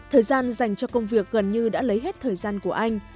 thời gian dành cho công việc gần như đã lấy hết thời gian của anh